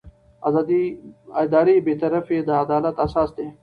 اداري بېطرفي د عدالت اساس دی.